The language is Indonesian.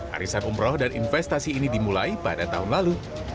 arisan umroh dan investasi ini dimulai pada tahun lalu